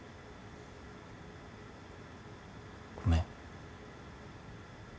ごめん。